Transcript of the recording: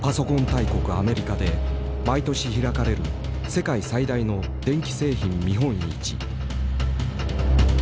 大国アメリカで毎年開かれる世界最大の電気製品見本市。